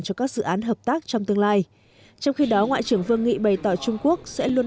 cho các dự án hợp tác trong tương lai trong khi đó ngoại trưởng vương nghị bày tỏ trung quốc sẽ luôn